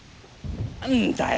何だよ